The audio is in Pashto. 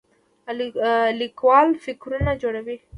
لیکوال فکرونه جوړوي